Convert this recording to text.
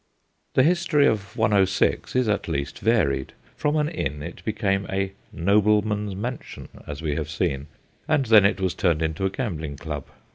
The history of 106 is at least varied. From an inn it became a * nobleman's man sion/ as we have seen, and then it was turned into a gambling club.